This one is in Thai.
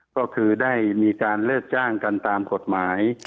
ก็คือได้มีการเลิกจ้างกันตามกฎหมาย